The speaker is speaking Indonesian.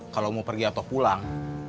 kalau mau pergi atau pulang